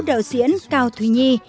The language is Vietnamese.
đạo diễn cao thùy nhi